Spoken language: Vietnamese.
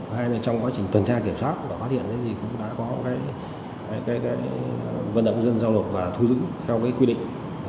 hay trong quá trình tuần tra kiểm soát và phát hiện thì cũng đã có cái vận động nhân dân giao luật và thu giữ theo quy định